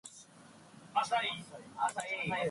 The county seat is Beach.